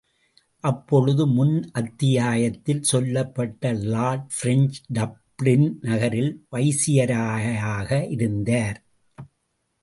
அப்பொழுது முன் அத்தியாயத்தில் சொல்லப்பட்ட லார்ட் பிரெஞ்ச் டப்ளின் நகரில் வைசிராயாக இருந்தார்.